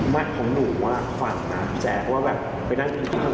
ไม่ของหนูว่าฝั่งนะพี่แจ๊ค